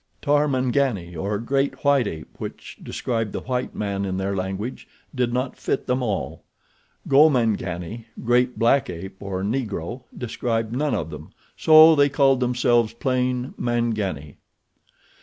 Tarmangani, or great white ape, which described the white man in their language, did not fit them all. Gomangani—great black ape, or Negro—described none of them so they called themselves plain Mangani.